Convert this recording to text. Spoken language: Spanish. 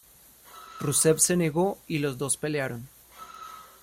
Rusev se negó y los dos pelearon.